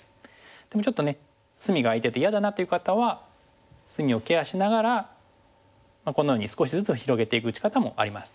でもちょっとね隅が空いてて嫌だなという方は隅をケアしながらこのように少しずつ広げていく打ち方もあります。